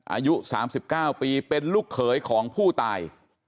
อายุ๓๙ปีเป็นลูกเขยของผู้ตาย